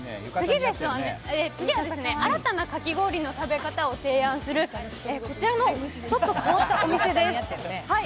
新たなかき氷の食べ方を提案する、こちら、ちょっと変わったお店です